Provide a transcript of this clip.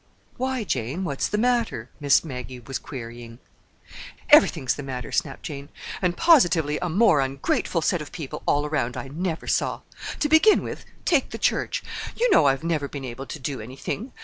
"Why, Jane, what's the matter?" Miss Maggie was querying. "Everything's the matter," snapped Jane. "And positively a more ungrateful set of people all around I never saw. To begin with, take the church. You know I've never been able to do anything.